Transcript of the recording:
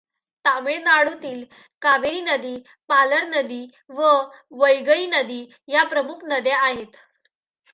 तामिळनाडूतील कावेरी नदी, पालर नदी व वैगई नदी या प्रमुख नद्या आहेत.